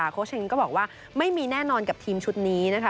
โค้ชเฮงก็บอกว่าไม่มีแน่นอนกับทีมชุดนี้นะคะ